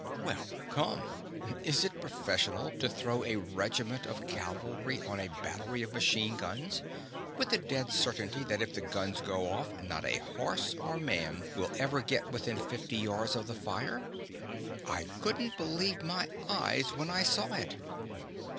Well, come, is it professional to throw a regiment of cavalry on a battery of machine guns, with the dead certainty that if the guns go off not a horse or man will ever get within fifty yards of the fire? I couldn't believe my eyes when I saw it.